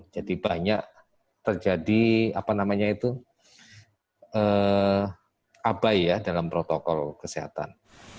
jadi banyak terjadi abai dalam protokol kesehatan